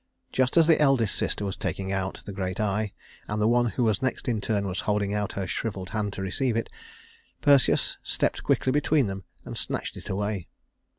Just as the eldest sister was taking out the great eye, and the one who was next in turn was holding out her shriveled hand to receive it, Perseus stepped quickly between them and snatched it away.